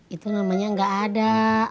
itu namanya gak ada